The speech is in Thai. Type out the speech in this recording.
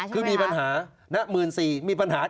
คือมีปัญหาใช่ไหมครับคือมีปัญหา